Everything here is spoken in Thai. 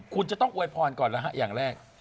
คุณจะต้องอวยพรก่อนแล้วฮะอย่างแรก